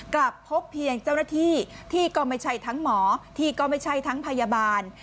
กลับพบเพียงเจ้าหน้าที่ที่ก็ไม่ใช่ทั้งหมอที่ก็ไม่ใช่ทั้งพยาบาล